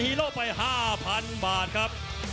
ฮีโร่ไปห้าพันบาทครับ